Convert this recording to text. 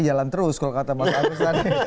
jalan terus kalau kata mas wahyu